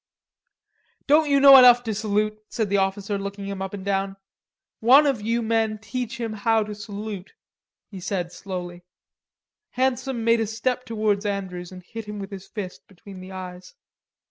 "Don't you know enough to salute?" said the officer, looking him up and down. "One of you men teach him to salute," he said slowly. Handsome made a step towards Andrews and hit him with his fist between the eyes.